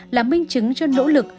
làm minh chứng cho nỗ lực